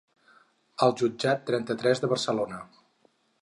Al jutjat trenta-tres de Barcelona.